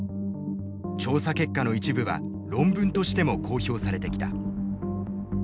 調査結果の一部は論文としても公表されてきた。